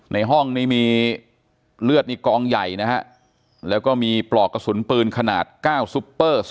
ในห้องนี้มีเลือดนี่กองใหญ่นะฮะแล้วก็มีปลอกกระสุนปืนขนาด๙ซุปเปอร์ส